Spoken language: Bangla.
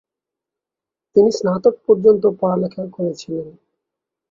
তিনি স্নাতক পর্যন্ত পড়ালেখা করেছিলেন।